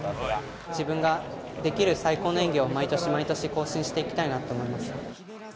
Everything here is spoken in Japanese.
自分ができる最高の演技を毎年毎年更新していきたいなと思います。